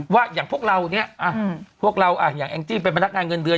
ว่าอย่างพวกเราอย่างแองจิ้มเป็นพนักงานเงินเดือน